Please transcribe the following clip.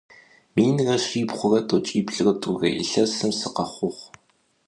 Minre şsibğure t'oç'iplh're t'ure yilhesım sıkhexhuğ.